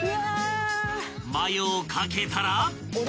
［マヨを掛けたら］